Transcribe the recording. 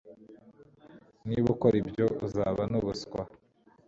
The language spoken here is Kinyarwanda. Niba ukora ibyo uzasa nubuswa